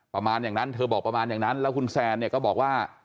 ประมาณอย่างนั้นเธอบอกประมาณอย่างนั้นแล้วคุณแซนเนี่ยก็บอกว่า